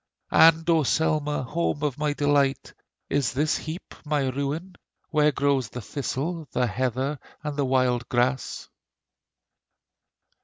And O Selma! home of my delight, Is this heap my ruin, Where grows the thistle, the heather, and the wild grass?